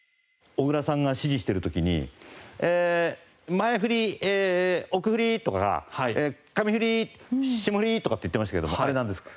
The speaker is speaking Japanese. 小倉さんが指示してる時にえー前フリ奥フリとか上フリ下フリとかって言ってましたけどあれなんですか？